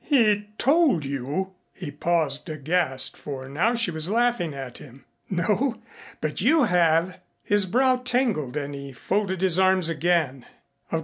"He told you ?" he paused aghast, for now she was laughing at him. "No but you have." His brow tangled and he folded his arms again.